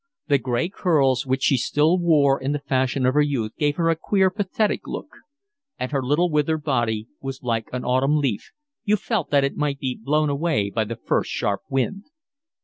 The gray curls which she still wore in the fashion of her youth gave her a queer, pathetic look; and her little withered body was like an autumn leaf, you felt it might be blown away by the first sharp wind.